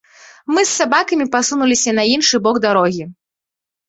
Мы з сабакамі пасунуліся на іншы бок дарогі.